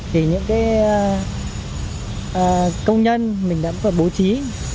thì những công nhân mình đã có bố trí